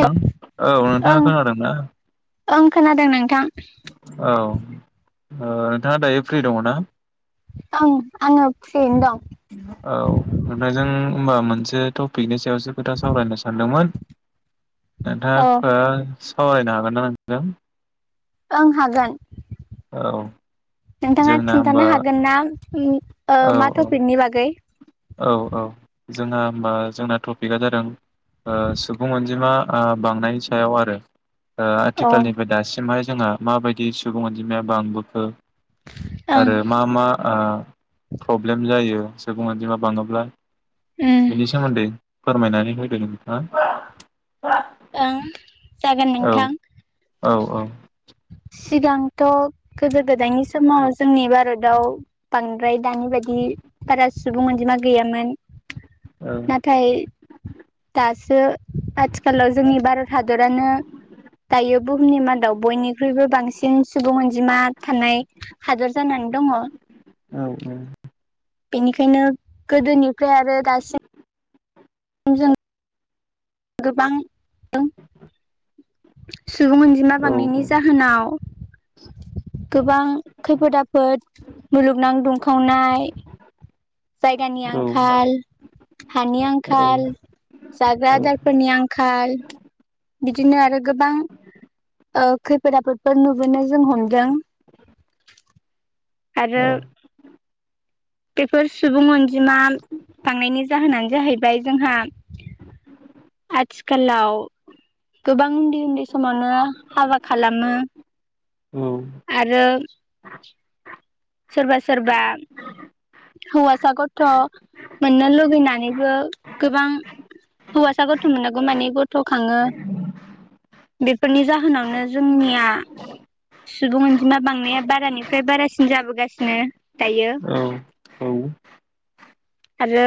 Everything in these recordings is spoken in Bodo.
नोंथां औ नोंथाङा ओं खोनादोंना। ओं खोनादों नोंथां औ ओ नोंथाङा दायो फ्रि दङ ना? आं आंङो। औ ओमफ्राय जों ओमबा मोनसे टफिकनि सा यावसो खोथा सावरायनो सानदोंमोन नोंथाङा अ ओ सावरायनो हागोन ना नोंथांजों ओं हागोन। नोंथाङा जोंना होमबा खिन्थानो हागोन ना? उम ओ औ मा टपिकनि बागै। औ औ जोंहा होमबा जोंना टपिकआ जादों सुबुं अनजिमा ओ बांनायनि सायाव आरो। ओ अ ओं आथिखालनिफ्राय दासिमहाय जोंहा माबायदि सुबुं अनजिमाया बांबोखो। आरो मा मा ओ प्रब्लेम जायो। सुबुं अनजिमा बाङोब्ला। उम बिनि सोमोन्दै। फोरमायनानै होदों नोंथाङा। ओं जागोन औ नोंथां औ औ सिगांथ' गोदो गोदायनि समाव जोंनि भारताव बांद्राय दानि बायदि बारा सुबुं अनजिमा गैयामोन। औ नाथाइ दासो आथि। थिखालाव जोंनि भारत हादरानो दायो बुहुमनि मादाव बयनिख्रुइबो बांसिन सुबुं अनजिमा थानाय हादर जानानै दङ। औ बेनिखायनो गोदोनिफ्राय आरो दासिम। समज न [unintelligible] गोबां सुबुं अनजिमा औ बांनायनि जाहोनाव गोबां खैफोद आफोद मुलुगनां दुंखावनाय जायगानि आंखाल हानि आंखाल जाग्रा आदार। आंखाल बिदिनो आरो गोबां ओ खैफोद आफोदफोर नुबोनो जों हमदों। आरो बेफोर सुबुं अनजिमा बांनायनि जाहोनानो जाहैबाय जोंहा आथिखालाव। गोबां। उन्दै उन्दै समावनो हाबा खालामो आरो। सोरबा सोरबा। हौवासा गथ' मोननो लुगैनानैबो गोबां हौवासा गथ' मोननांगौ मानिे गथ। खाङो [inaudible] बेफोरनि जाहोनावनो जोंनिया। सुबुं अनजिमा बांनाया बारानिफ्राय बारासिन जाबोगासिनो दायो औ आरो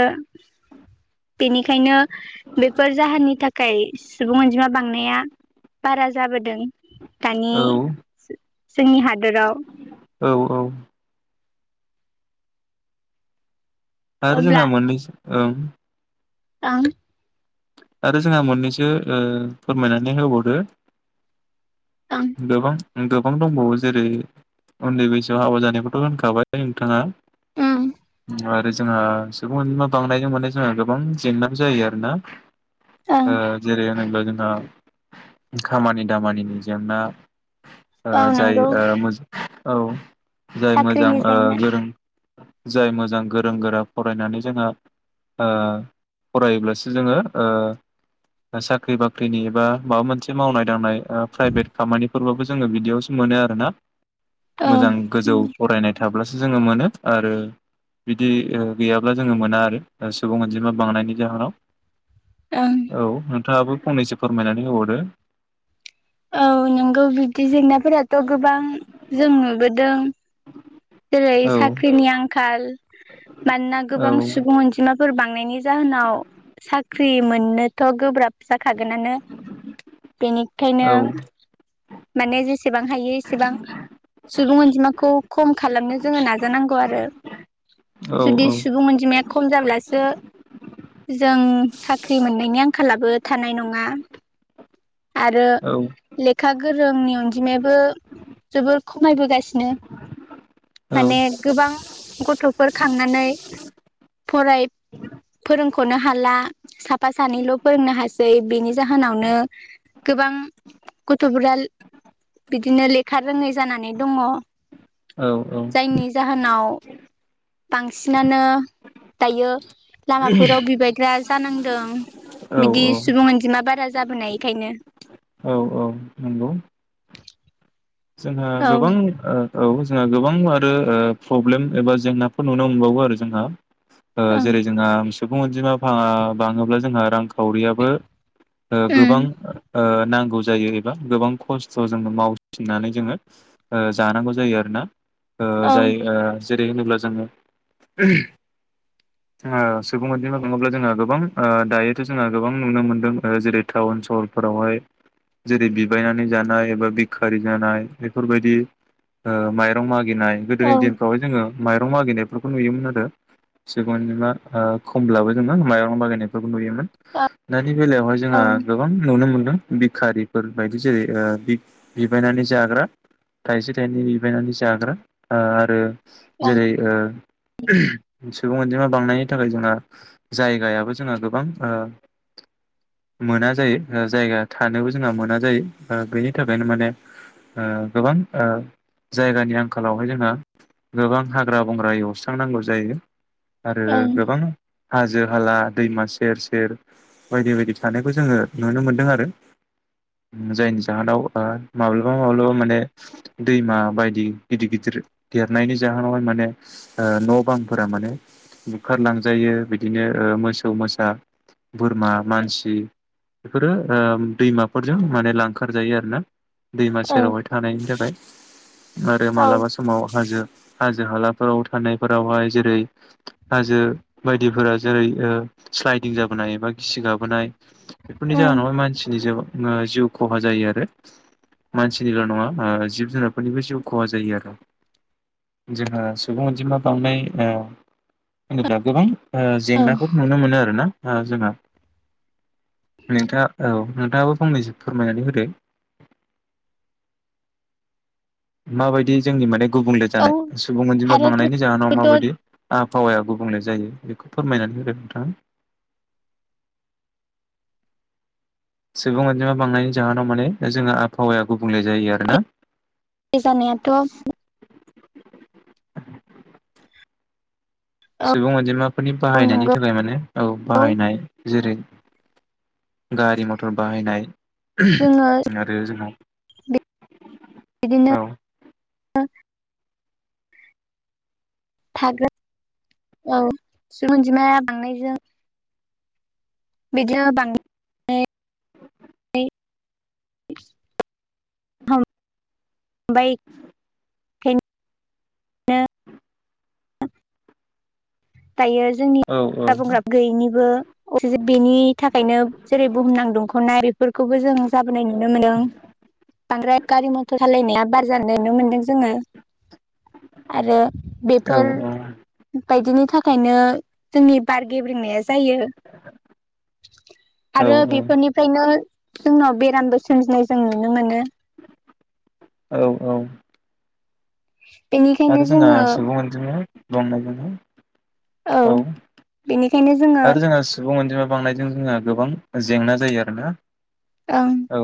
बेनिखायनो बेफोर जाहोननि थाखाय सुबुं अनजिमा बांनाया बारा जाबोदों। दानि औ जोंनि हादोराव औ औ आरो जोंहा मोननैसो। ओं आं आरो जोंहा मोननैसो ओ फोरमायनानै होबावदो ओं गोबां गोबां दंबावो जेरै उन्दै बैसोआव हाबा जानायखौथ' होनखाबाय नोंथाङा। ओम। आरो जोंहा सुबुं अनजिमा बांनायजों माने जोंहा गोबां जेंना जायो आरो ना। ओं ओ जेरै नों जोंहा खामानि दामानिनि। नोंना ओ औ नंगौ जायो ओ। औ जाय मोजां साख्रिनि ओ जेंना गोरों जाय मोजां गोरों गोरा फरायनानै जोंहा ओ फरायोब्लासो जोङो ओ साख्रि बाख्रिनि एबा माबा मोनसे मावनाय दांनाय ओ। प्राइभेट खामानिफोरबाबो जोङो बिदियावसो मोनो आरो ना। ओं मोजां गोजौ फरायनाय थाब्लासो। जोङो मोनो आरो बिदि गैयाब्ला जोङो मोना आरो सुबुं अनजिमा बांनायनि जाहोनाव। ओं औ थांङाबो फंनैसो फोरमायनानै होबावदो औ नोंगौ बिदि जेंनाफोराथ' गोबां जों नुबोदों जेरै औ साख्रिनि आंखाल मानोना औ गोबां सुबुं अनजिमाफोर बांनायनि जाहोनाव साख्रि मोननोथ' गोब्राब जाखागोनानो बिनिखायनो औ माने जेस एसेबां हायो एसेबां सुबुं अनजिमाखौ खम खालामनो जोंङो नाजानांगौ आरो औ जुदि सुबुं अनजिमाया खम जाब्लासो जों साख्रि मोननायनि आंखालाबो थानाय नंङा। आरो औ लेखा गोरोंनि अनजिमायाबो जोबोर खमायबोगासिनो माने गोबां गथ'फोर खांनानै फराय फोरों खनो हाला साफा सानैल' फोरोंनो हासै बिनि जाहोनावनो गोबां गथ'फोरा बिदिनो लेखा रोंङै जानानै दंङ। औ जायनि जाहोनाव बांसिनानो दायो लामाफोराव बिबायग्रा जानांदों। औ बिदि औ सुबुं अनजिमा बारा ज जाबोनाय खायनो। औ औ नंगौ जोंहा गोबां ओ औ जोंहा गोबां आरो ओ प्रब्लेम एबा जेंनाफोर नुनो मोनबावो आरो जोंहा। ओ जेरै जोंहा सुबुं अनजिमा बा बांङोब्ला जोंहा रां खाव खावरियाबो ओ ओं गोबां ओ नांगौ जायो एबा गोबां खस्थ' जोंङो माव फिननानै जोंङो ओ जानांगौ जायो आरोना। ओ औ जाय ओ जेरै होनोब्ला जोंङो सुुबुं अनजिमा बांङोब्ला जोंहा गोबां ओ दायोथ' जोंहा गोबां नुनो मोनदों ओ जेरै टाउन सहरफोरावहाय जेरै बिबायनानै जानाय एबा बि खारि जानाय बेफोरबायदि ओ मायरं मागि गिनाय औ गोदोनि दिनफ्राव जोंङो माइरं मागिनायफोरखौ नुयोमोन आरो सुुबुंंअनजिमा ओ खमब्लाबो जोंङो मा माइरं मागानायफोरखौ नुयोमोन औ ना नि बेलायावहाय औ जोंहा ओं गोबां नुनो मोन बिखारिफोर बायदि जेरै ओ बिबायनानै जाग्रा थाइसे थाइनै बिबायनानै जाग्रा आरो। जेरै ओ। सुबुं अनजिमा बांनायनि थाखाय जोंहा जायगायाबो जोंहा गोबां मोना जायो जायगा थानोबो जोंहा मोना जायो बेनि थाखाय। बेखायनो माने गोबां ओ जायगानि आंखालावहाय जोंहा गोबां हाग्रा बंग्रा एवस्रांनांगौ जायो। आरो ओं गोबां। हाजो हाला दैमा सेर सेर बायदि बायदि थानायखौ जोङो नुनो मोनदों आरो जायनि जाहोनाव। ओ माब्लाबा माब्लाबा माने दैमा बायदि गिदिर गिदिर देरनायनि जाहोनावहाय माने न' बांफोरा माने बुखारलांजायो बिदिनो मोसौ मोसा बोरमा मानसि बेफोरो दैमाफोरजों माने लांखारजायो आरो ना। दैमा ओं सेरावहाय थानायनि थाखाय आरो औ मालाबा समाव हाजो। हाजो हालाफोराव थानायफोरावहाय जेरै हाजो बायदिफोरा जेरै स्लाइदिं जाबोनाय एबा गिसि गाबोनाय बेफोरनि ओं जाहोनावहाय मानसिनि ज जिउ खहा जायो आरो। मानसिनिल' नङा जिब जुनारफोरनिबो जिउ खहा जायो आरो जोंहा सुबुं अनजिमा बांनाय होनोब्ला गोबां। ओ औ जेंनाफोर नुनो मोनो आरो ना। ओ जोंना नोंथा औ नोंथाङाबो फंनैसो फोरमायनानै होदो। माबायदि जोंनि माने गुबुंले औ जानाय सुबुं अनजिमा आरो बांनायनि जाहोनाव माबायदि आबहावाया गुब बुंनाय जायो बेखौ फोरमायनानै होदो नोंथाङा। सुबुं अनजिमा बांनायनि जाहोनाव माने जोंहा आबहावाया गुबुंले जायो आरोना। बे जानायाथ'। औ सुबुं अनजिमा। बे फोरनि औ बाहायनायनि नंगौ थाखाय माने औ बाहायनाय। जेरै गारि मथर बाहायनाय। जोङो आरो जोंहा। बिदिनो। औ [inaudible] थागोन औ सुबुं अनजिमाया बांनायजों। बिदिनो बां [unintelligible] दायो जोंनि औ औ आबुंगाब गैयैनिबो बेनि थाखायनो जेरै बुहुमनां दंख'नाय बेफोरखौबो जों जाबोनाय नुनो मोनदों बांद्राय गारि मथर सालायनाया बार जानाय नुनो मोनदों जोङो आरो औ बेफोर बायदिनि थाखायनो जोंनि बार गेब्रेनाय। जायो औ आरो बेफोरनिफ्रायनो जोंनाव बेरामबो सोमजिनाय जों नुनो मोनो। औ औ। [unintelligible] आरो जोंना जोङो सुबुं अनजिमाया [inaudible] औ बेनिखायनो जोङो आरो जोंहा सुबुं अनजिमा बांनाय। [inaudible] जोंहा गोबां जेंना जायो आरोना। ओं। औ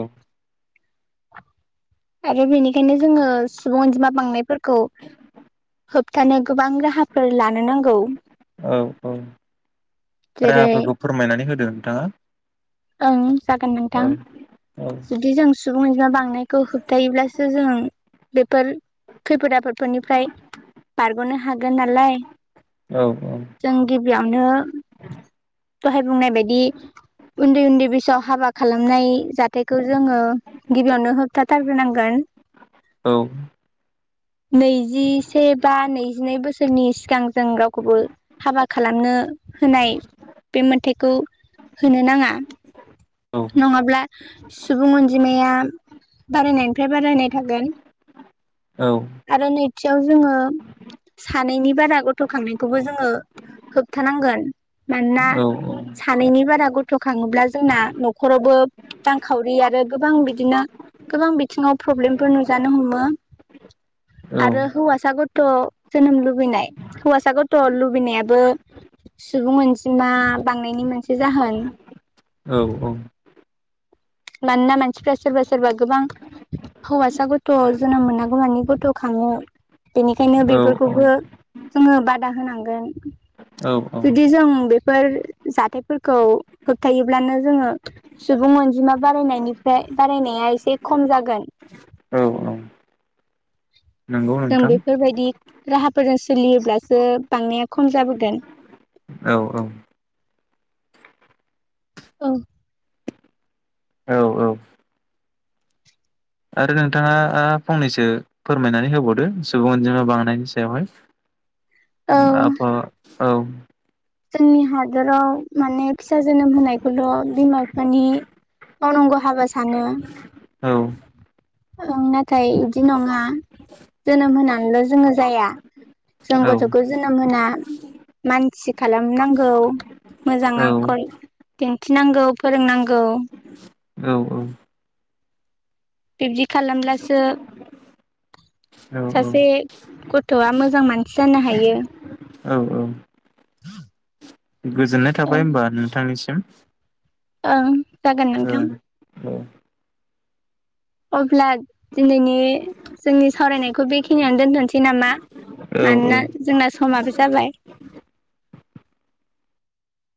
आरो बेनिखायनो, जोङो सुबुं अनजिमा बांनायफोरखौ, होबथानो गोबां राहाफोर लानो नांगौ, औ औ जेरै राहाफोरखौ फोरमायनानै होदों, नोंथाङा ओं जागोन औ नोंथां औ जुदि जों सुबुं आनजिमा बांनायखौ होबथायोब्लासो जों, बेफोर खैफद आफोद, फोरनिफ्राय बारग'नो हागोन नालाय औ जों गिबियावनो दहाय बुंनाय बायदि उन्दै उन्दै बैसोआव हाबा खालामनाय जाथायखौ जोङो गिबियावनो होबथा थारग्रोनांगोन, औ नैजिसे बा नैजिनै बोसो सोरनि सिगां जों रावखौबो हाबा खालामनो होनाय बे मोनथायखौ होनो नाङा, नङाब्ला सुबुं अनजिमाया बारायनायनिफ्राय बारायनाय थागोन, औ आरो नै खाथियाव जोङो सानैनि बारा गथ'खांनायखौबो जोङो होबथानांगोन, मानोना औ सानैनि बारा गथ' खाङोब्ला जोंना न'खरावबो रांखावरि आरो गोबां बिदिनो गोबां बिथिङाव प्रब्लेमफोर नुजानो हमो, आरो हौवासा गथ' जोनोम लुबैनाय हौवासा गथ' लुबैनायाबो सुबुं अनजिमा बांनायनि मोनसे जाहोन, औ औ मानोना मानसिफ्रा सोरबा सोरबा गोबां हौवासा गथ' जोनोम मोनागौ होनानै गथ' खाङो, बेनिखायनो बेफोरखौबो, जोङो बादा होनांगोन जुदि जों बेफोर जाथायफोरखौ होबथायोब्लानो जोङो सुबुं अनजिमा बारायनायनिफ्राय बारायनाया एसे खम जागोन, औ औ नंगौ जों नोंथां बेफोरबायदि, राहाफोरजों सोलियोब्लासो बांनाया खम जाबोगोन, औ औ औ आरो नोंथाङा आ फंनैसो फोरमायनानै होबावदो सुबुं अनजिमा बांनायनि सायावहाय, औ माबा औ जोंनि हादराव माने फिसा जोनोम होनायखौल' बिमा बिफानि मावनांगौ हाबा सानो औ नाथाय इदि नङा जोनोम होनानैल' जोङो जाया जों औ गथ'खौ जोनोम होना मानसि खालामनांगौ मोजां औ आखल दिन्थिनांगौ फोरोंनांगौ, औ बिब्दि खालामब्लासो औ सासे गथ'आ मोजां मानसि जानो हायो। औ औ [inaudible] गोजोननाय औ थाबाय होमबा नोंथांनि [unintelligible] ओं जागोन नोंथां। अब्ला दिनैनि जोंनि सावरायनायखौ बेखिनियावनो दोनथ'सै नामा औ औ मानोना औ जोंना समाबो जाबाय।